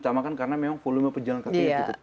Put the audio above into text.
lebih utamakan karena volume pejalan kaki yang cukup tinggi